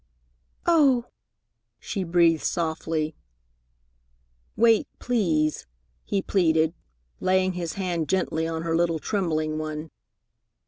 "Oh!" she breathed softly. "Wait, please," he pleaded, laying his hand gently on her little, trembling one.